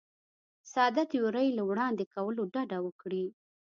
ساده تیورۍ له وړاندې کولو ډډه وکړي.